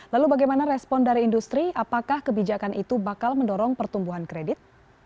lalu bagaimana respon dari industri apakah kebijakan itu bakal mendorong pertumbuhan kredit